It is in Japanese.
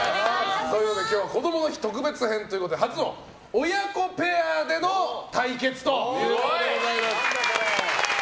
今日はこどもの日特別編ということで初の親子ペアでの対決ということでございます。